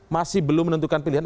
masih belum menentukan pilihan